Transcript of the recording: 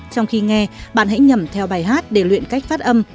trong khi nghe bạn hãy nhầm theo bài hát để luyện cách phát âm